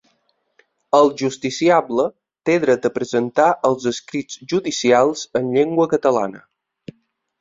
El justiciable té dret a presentar els escrits judicials en llengua catalana.